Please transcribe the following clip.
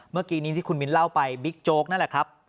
เมื่อกี้นี้ที่คุณมิ้นเล่าไปบิ๊กโจ๊กนั่นแหละครับ